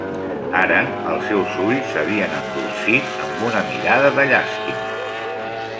Ara els seus ulls s'havien endolcit amb una mirada de llàstima.